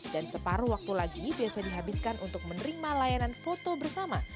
dan separuh waktu lagi biasanya dihabiskan untuk menerima layanan foto bersama